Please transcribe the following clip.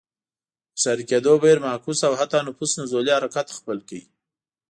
د ښاري کېدو بهیر معکوس او حتی نفوس نزولي حرکت خپل کړ.